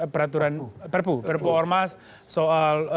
peraturan perpu ormas soal